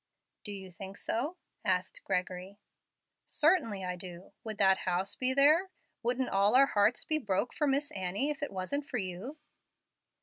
"Do you think so?" asked Gregory. "Certain I do. Would that house be there? Wouldn't all our hearts be broke for Miss Annie if it wasn't for you?"